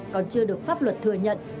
còn chưa được pháp luật thừa nhận